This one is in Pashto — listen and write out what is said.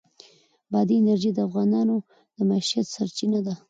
بادي انرژي د افغانانو د معیشت سرچینه ده.